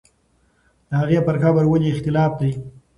د هغې پر قبر ولې اختلاف دی؟